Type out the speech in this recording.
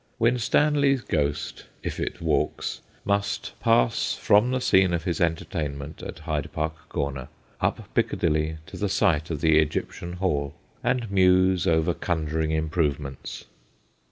Winstanley's ghost, if it walks, must pass from the scene of his entertainment at Hyde Park Corner up Piccadilly to the site of the Egyptian Hall, and muse over conjuring improvements.